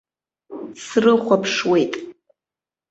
Срыхәаԥшуеит.